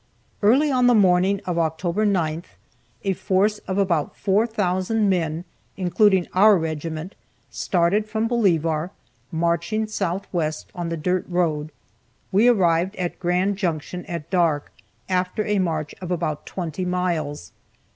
Early on the morning of October 9th, a force of about four thousand men, including our regiment, started from Bolivar, marching southwest on the dirt road. We arrived at Grand Junction at dark, after a march of about twenty miles.